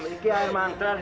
ini air mantan